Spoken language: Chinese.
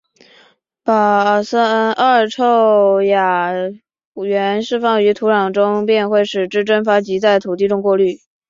把二溴甲烷释放于土壤中会使之蒸发及在土地中过滤。